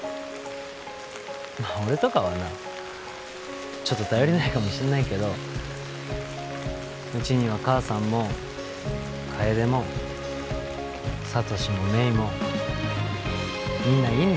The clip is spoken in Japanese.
まあ俺とかはちょっと頼りないかもしんないけどうちには母さんも楓も聡も芽衣もみんないんの。